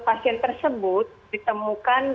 pasien tersebut ditemukan